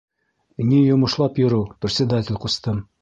Ни йомошлап йөрөү, председатель ҡустым?